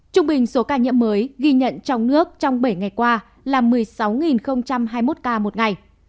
trung bình số ca nhiễm mới ghi nhận trong nước trong bảy ngày qua là một mươi sáu hai mươi một ca một ngày